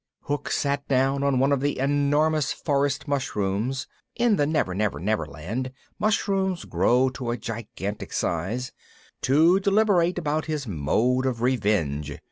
Hook sat down on one of the enormous forest mushrooms (in the Never Never Never Land mushrooms grow to a gigantic size) to deliberate about his mode of revenge.